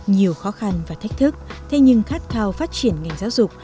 nhiều khó khăn và thách thức thế nhưng khát khao phát triển ngành giáo dục